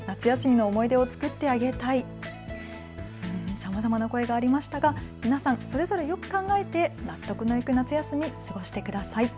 さまざまな声がありましたが皆さんそれぞれよく考えて納得のいく夏休みを過ごしてください。